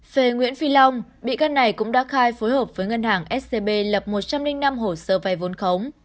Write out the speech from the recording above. phê nguyễn phi long bị căn này cũng đã khai phối hợp với ngân hàng scb lập một trăm linh năm hồ sơ vay vốn khống